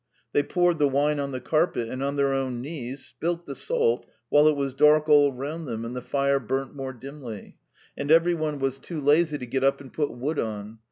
They poured the wine on the carpet and on their own knees, spilt the salt, while it was dark all round them and the fire burnt more dimly, and every one was too lazy to get up and put wood on.